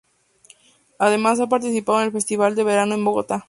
Además ha participado en el Festival de Verano en Bogotá.